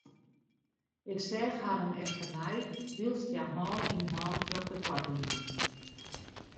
Ik seach harren efternei wylst hja hân yn hân troch de poarte giene.